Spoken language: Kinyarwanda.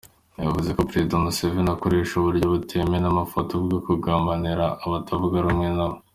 Yavuze ko Perezida Museveni adakoresha uburyo butemewe n'amategeko bwo kugambanira abatavuga rumwe nawe.